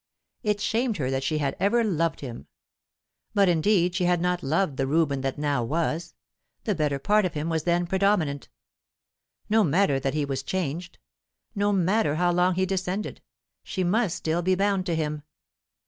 It shamed her that she had ever loved him. But indeed she had not loved the Reuben that now was; the better part of him was then predominant. No matter that he was changed; no matter how low he descended; she must still be bound to him.